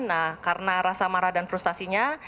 nah karena rasa marah dan frustasinya